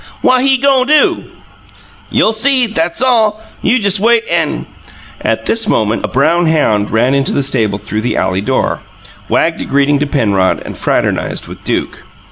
"What he go' do?" "You'll see; that's all! You just wait and " At this moment a brown hound ran into the stable through the alley door, wagged a greeting to Penrod, and fraternized with Duke.